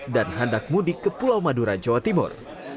dan hendak mudik ke pulau madura jawa timur